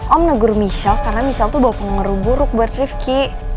om negur michel karena misal tuh bawa pengaruh buruk buat rifki